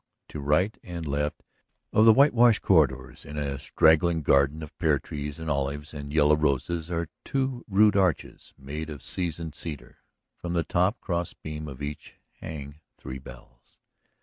To right and left of the whitewashed corridors in a straggling garden of pear trees and olives and yellow roses are two rude arches made of seasoned cedar. From the top cross beam of each hang three bells.